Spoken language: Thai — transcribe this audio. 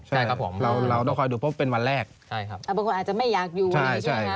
ใช่ครับผมเราเราต้องคอยดูพบเป็นวันแรกใช่ครับอาจจะไม่อยากอยู่ใช่ใช่